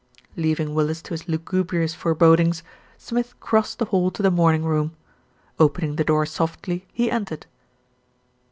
Leaving Willis to his lugubrious forebodings, Smith crossed the hall to the morning room. Opening the door softly, he entered.